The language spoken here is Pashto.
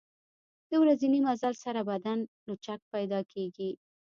د ورځني مزل سره بدن لچک پیدا کېږي.